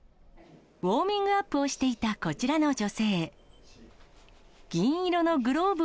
ウォーミングアップをしていたこちらの女性。